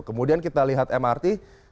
kemudian kita lihat mrt